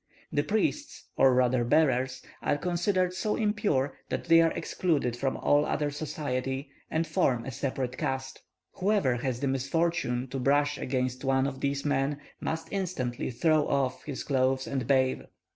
The priests, or rather bearers, are considered so impure that they are excluded from all other society, and form a separate caste. Whoever has the misfortune to brush against one of these men, must instantly throw off his clothes and bathe.